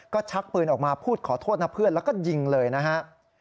ก็ชักปืนออกมาพูดขอโทษนะเพื่อนแล้วก็ยิงเลยนะฮะ